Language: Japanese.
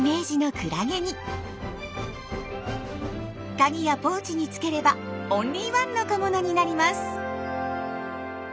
カギやポーチにつければオンリーワンの小物になります。